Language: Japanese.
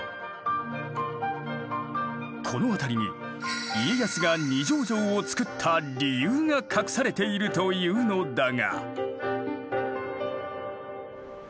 この辺りに家康が二条城を造った理由が隠されているというのだが。